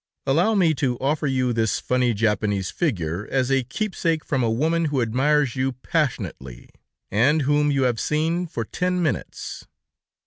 Allow me to offer you this funny Japanese figure, as a keepsake from a woman who admires you passionately, and whom you have seen for ten minutes."